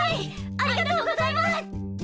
ありがとうございます！